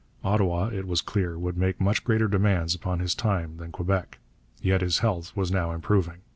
Ottawa, it was clear, would make much greater demands upon his time than Quebec, yet his health was now improving.